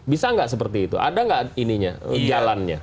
bisa nggak seperti itu ada nggak ininya jalannya